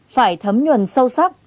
phải thấm nhuần sâu sắc